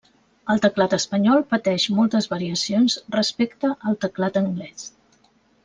El teclat espanyol pateix moltes variacions respecte al teclat anglès.